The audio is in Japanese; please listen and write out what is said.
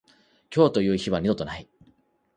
今日という日は二度とない。